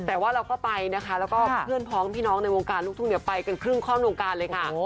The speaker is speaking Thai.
แต่ว่าเราก็ไปนะคะแล้วก็เพื่อนพ้องพี่น้องในวงการลูกทุ่งเนี่ยไปกันครึ่งข้อนวงการเลยค่ะ